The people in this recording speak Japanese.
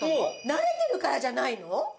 慣れてるからじゃないの？